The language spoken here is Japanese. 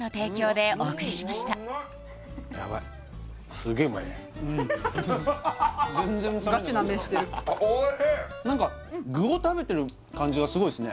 すぐだ具を食べてる感じがすごいっすね